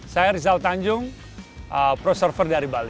saya rizal tanjung pro server dari bali